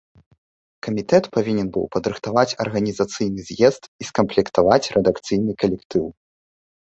Камітэт павінен быў падрыхтаваць арганізацыйны з'езд і скамплектаваць рэдакцыйны калектыў.